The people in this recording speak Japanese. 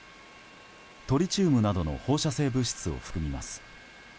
トリチウムなどの放射性物質を含みます。